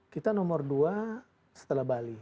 kita nomor dua setelah bali